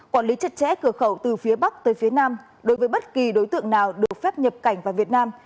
quản lý chặt chẽ cửa khẩu từ phía bắc tới phía nam đối với bất kỳ đối tượng nào được phép nhập cảnh vào việt nam